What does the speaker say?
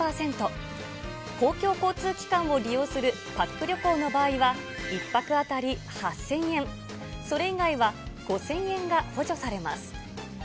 公共交通機関を利用するパック旅行の場合は、１泊当たり８０００円、それ以外は、５０００円が補助されます。